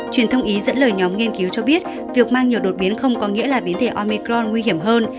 truyền thông ý dẫn lời nhóm nghiên cứu cho biết việc mang nhiều đột biến không có nghĩa là biến thể omicron nguy hiểm hơn